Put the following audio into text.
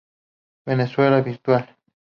Venezuela Virtual